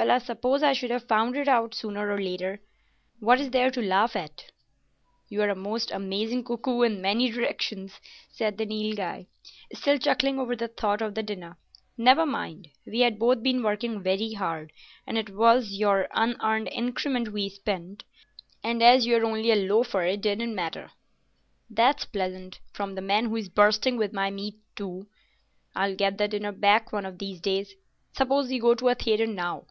Well, I suppose I should have found it out sooner or later. What is there to laugh at?" "You're a most amazing cuckoo in many directions," said the Nilghai, still chuckling over the thought of the dinner. "Never mind. We had both been working very hard, and it was your unearned increment we spent, and as you're only a loafer it didn't matter." "That's pleasant—from the man who is bursting with my meat, too. I'll get that dinner back one of these days. Suppose we go to a theatre now."